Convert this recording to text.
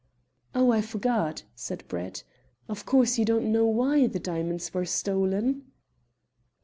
"Oh, I forgot," said Brett. "Of course, you don't know why the diamonds were stolen?"